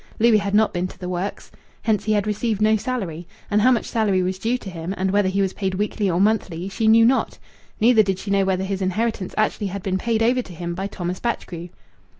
Louis had not been to the works. Hence he had received no salary. And how much salary was due to him, and whether he was paid weekly or monthly, she knew not. Neither did she know whether his inheritance actually had been paid over to him by Thomas Batchgrew.